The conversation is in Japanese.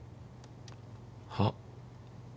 はっ？